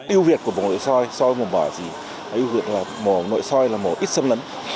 yêu việt của mổ nội soi soi mổ mỏ gì yêu việt là mổ nội soi là mổ ít xâm lấn